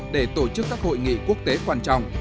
để tổ chức các hội nghị quốc tế quan trọng